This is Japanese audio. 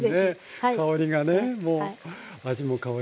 香りがねもう味も香りも。